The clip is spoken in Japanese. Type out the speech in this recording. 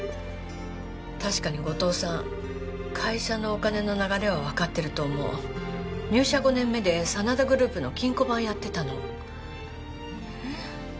確かに後藤さん会社のお金の流れは分かってると思う入社５年目で真田グループの金庫番やってたのええ？